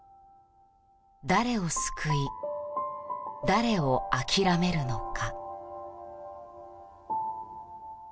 誰を救い、誰を諦めるのか。